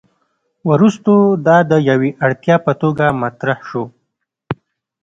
وروسته دا د یوې اړتیا په توګه مطرح شو.